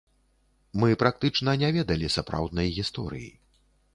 Мы практычна не ведалі сапраўднай гісторыі.